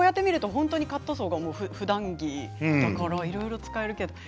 こうやって見るとカットソーがふだん着だからいろいろ使えますね。